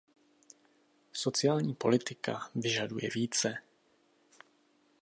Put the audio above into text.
Sociální politika vyžaduje více!